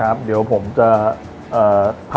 ครับเดี๋ยวผมจะผัดเห็ดก่อนนะครับ